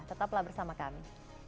tetaplah bersama kami